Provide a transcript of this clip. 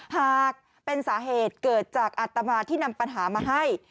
หากเป็นสาเหตุเกิดจากอัตมาที่นำปัญหามาให้